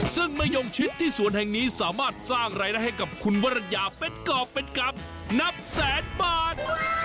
ซึ่งมะยงชิดที่สวนแห่งนี้สามารถสร้างรายได้ให้กับคุณวรรณยาเป็นกรอบเป็นกรรมนับแสนบาท